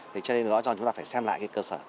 thế cho nên rõ ràng chúng ta phải xem lại cơ sở